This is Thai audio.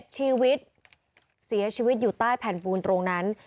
ชีวิตเสียชีวิตอยู่ใต้แผ่นปูนตรงนั้น